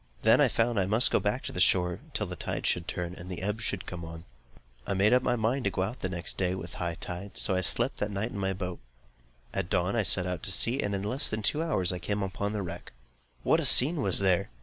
Then I found that I must go back to the shore till the tide should turn, and the ebb come on. I made up my mind to go out the next day with the high tide, so I slept that night in my boat. At dawn I set out to sea, and in less than two hours I came up to the wreck. What a scene was there!